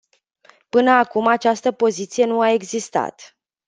Până acum această poziție nu a existat.